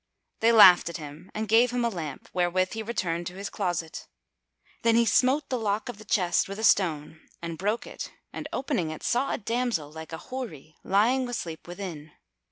They laughed at him and gave him a lamp, wherewith he returned to his closet. Then he smote the lock of the chest with a stone and broke it and opening it, saw a damsel like a Houri lying asleep within.